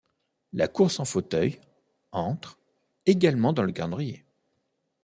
La course en fauteuil entre également dans le calendrier.